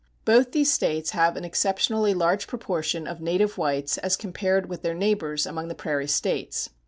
Both these States have an exceptionally large proportion of native whites as compared with their neighbors among the prairie States.